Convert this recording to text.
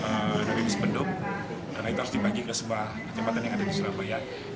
karena itu harus dibagi ke sebuah kecamatan yang ada di surabaya